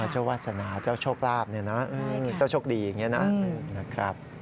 เจ้าวาดสนาเจ้าโชคลาบโชคดีอย่างนี้นะ